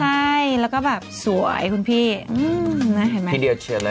ใช่แล้วก็แบบสวยคุณพี่พี่เดียวเชื่อแล้วนะ